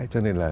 cho nên là